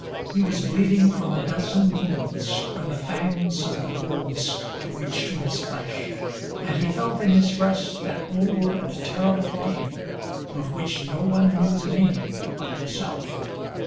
He was bleeding from a dozen wounds, where the fangs of the wolves had reached to his flesh, and he felt in his breast that old and terrible pain, of which no one knew the meaning but himself.